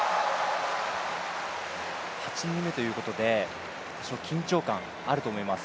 ８人目ということで緊張感あると思います。